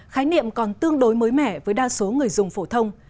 khái niệm còn tương đối mới mẻ với đa số người dùng phổ thông